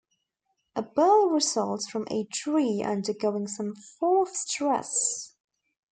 A burl results from a tree undergoing some form of stress.